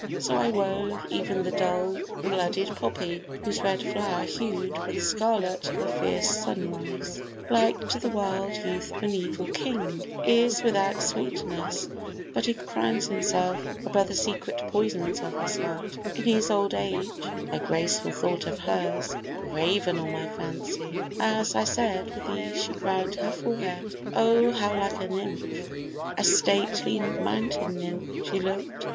So I wove Even the dull blooded poppy, 'whose red flower Hued with the scarlet of a fierce sunrise, Like to the wild youth of an evil king, Is without sweetness, but who crowns himself Above the secret poisons of his heart In his old age' a graceful thought of hers Graven on my fancy! As I said, with these She crown'd her forehead. O how like a nymph, A stately mountain nymph, she look'd!